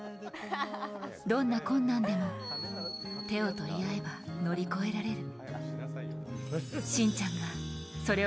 どんな困難でも手を取り合えば乗り越えられる。